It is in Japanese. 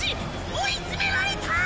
追い詰められた！